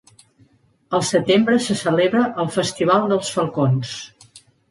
Al setembre se celebra el "Festival dels falcons".